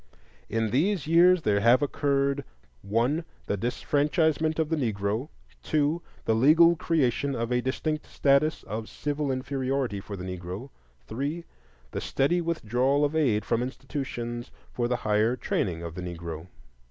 In these years there have occurred: 1. The disfranchisement of the Negro. 2. The legal creation of a distinct status of civil inferiority for the Negro. 3. The steady withdrawal of aid from institutions for the higher training of the Negro.